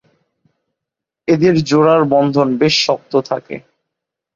এদের জোড়ার বন্ধন বেশ শক্ত থাকে।